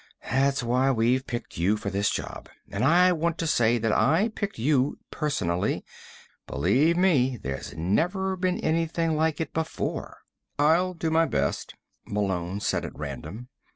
That's why you've been picked for this job. And I want to say that I picked you personally. Believe me, there's never been anything like it before." "I'll do my best," Malone said at random.